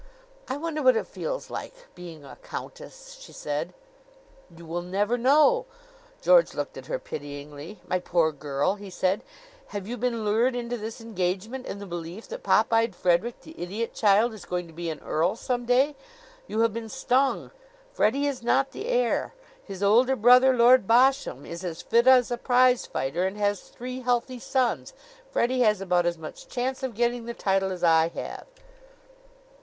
"I wonder what it feels like, being a countess," she said. "You will never know." George looked at her pityingly. "My poor girl," he said, "have you been lured into this engagement in the belief that pop eyed Frederick, the Idiot Child, is going to be an earl some day? You have been stung! Freddie is not the heir. His older brother, Lord Bosham, is as fit as a prize fighter and has three healthy sons. Freddie has about as much chance of getting the title as I have."